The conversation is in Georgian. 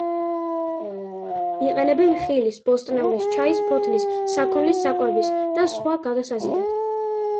იყენებენ ხილის, ბოსტნეულის, ჩაის ფოთლის, საქონლის საკვების და სხვა გადასაზიდად.